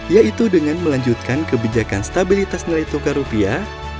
yaitu dengan melanjutkan kebijakan stabilitas nilai tukar rupiah